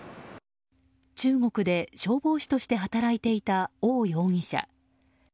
中国で消防士として働いていたオウ容疑者。